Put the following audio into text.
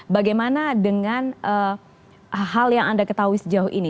bagaimana dengan hal yang anda ketahui sejauh ini